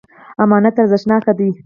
امانت ارزښتناک دی.